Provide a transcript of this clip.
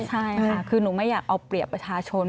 ใช่ค่ะคือหนูไม่อยากเอาเปรียบประชาชน